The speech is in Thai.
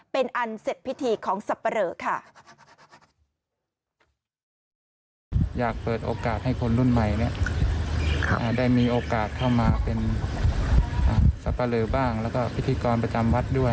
เป็นอันเสร็จพิธีของสับปะเหลอค่ะ